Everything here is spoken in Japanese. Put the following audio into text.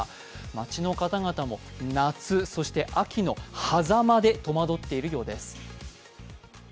街の方々も夏、そして秋のはざまで戸惑っているようです。